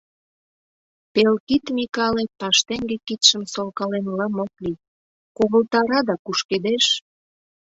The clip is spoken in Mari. Пелкид Микале паштеҥге кидшым солкален лым ок лий, ковылтара да кушкедеш.